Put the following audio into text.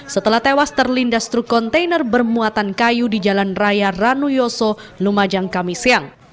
setelah tewas terlindas truk kontainer bermuatan kayu di jalan raya ranuyoso lumajang kami siang